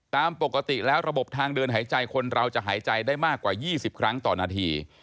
ตามปกติแล้วระบบทางเดินหายใจคนเราจะหายใจได้มากกว่า๒๐ครั้งต่อนาที